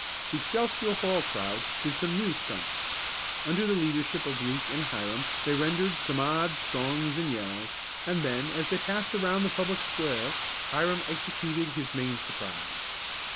The Excelsior Hall crowd did some new "stunts." Under the leadership of Luke and Hiram they rendered some odd songs and yells, and then, as they passed around the public square, Hiram executed his main surprise.